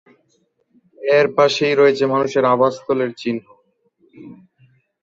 এর পাশেই রয়েছে মানুষের আবাসস্থলের চিহ্ন।